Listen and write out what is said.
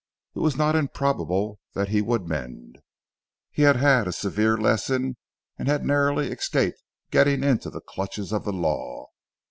It was not improbable that he would mend. He had had a severe lesson, and had narrowly escaped getting into the clutches of the law.